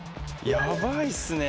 やばいっすね、